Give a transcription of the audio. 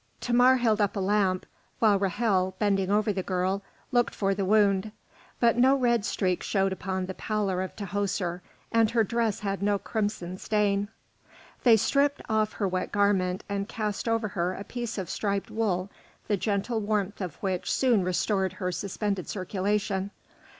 Thamar held up a lamp, while Ra'hel, bending over the girl, looked for the wound; but no red streak showed upon the pallor of Tahoser, and her dress had no crimson stain. They stripped off her wet garment, and cast over her a piece of striped wool, the gentle warmth of which soon restored her suspended circulation.